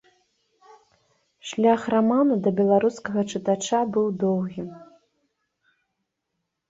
Шлях раману да беларускага чытача быў доўгім.